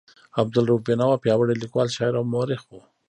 عبدالرؤف بېنوا پیاوړی لیکوال، شاعر او مورخ و.